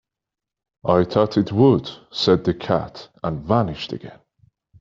‘I thought it would,’ said the Cat, and vanished again.